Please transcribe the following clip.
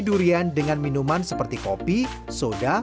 durian dengan minuman seperti kopi soda